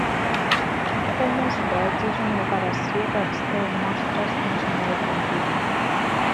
Un mostreig és una operació que extreu mostres d'un senyal continu.